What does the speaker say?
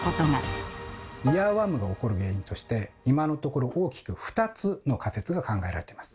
イヤーワームが起こる原因として今のところ大きく２つの仮説が考えられています。